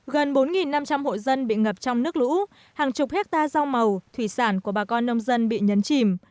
gần bốn năm trăm linh hộ dân bị ngập trong nước lũ hàng chục hectare dao màu thủy sản của bà con nông dân bị nhấn chìm